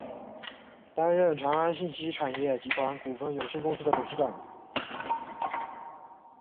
担任长安信息产业集团股份有限公司董事长。